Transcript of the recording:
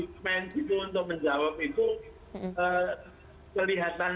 iya betul dan cara pence itu untuk menjawab itu kelihatan